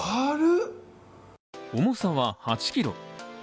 重さは８キロ。